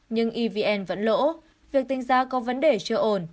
nhưng evn vẫn lỗ việc tính giá có vấn đề chưa ổn